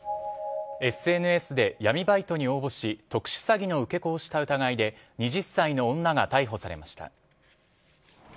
ＳＮＳで闇バイトに応募し特殊詐欺の受け子をした疑いで２０歳の女が逮捕されました。